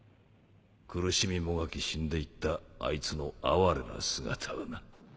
苦しみもがき死んで行ったあいつの哀れな姿をな。